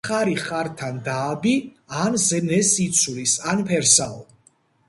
ხარი ხართად დააბი ან ზნეს იცვლის, ან ფერსაო